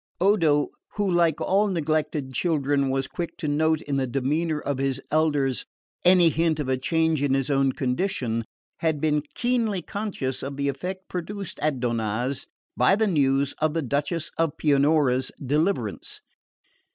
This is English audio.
Odo, who, like all neglected children, was quick to note in the demeanour of his elders any hint of a change in his own condition, had been keenly conscious of the effect produced at Donnaz by the news of the Duchess of Pianura's deliverance.